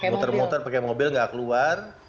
motor motor pakai mobil nggak keluar